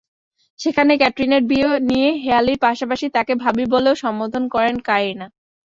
সেখানে ক্যাটরিনার বিয়ে নিয়ে হেঁয়ালির পাশাপাশি তাঁকে ভাবি বলেও সম্বোধন করেন কারিনা।